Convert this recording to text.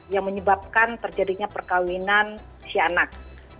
yang menyebabkan terjadinya perkawinan si anak